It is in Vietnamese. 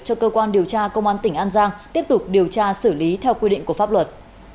cho cơ quan điều tra công an tỉnh an giang tiếp tục điều tra xử lý theo quy định của pháp luật